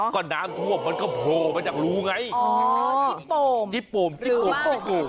ก็น้ำทวบมันก็โผล่มาจากรูไงอ๋อจิ๊ดโป่มจิ๊ดโป่มจิ๊ดโป่มจิ๊ดโป่ม